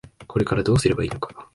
これからどうすればいいのか。